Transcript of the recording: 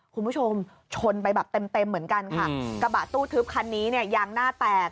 คุณผู้ชมชนไปแบบเต็มเต็มเหมือนกันค่ะกระบะตู้ทึบคันนี้เนี่ยยางหน้าแตก